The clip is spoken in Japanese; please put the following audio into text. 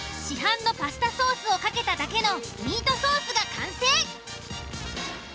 市販のパスタソースをかけただけのミートソースが完成。